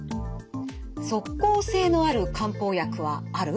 「即効性のある漢方薬はある？」。